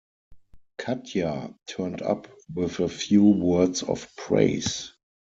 Katja turned up with a few words of praise.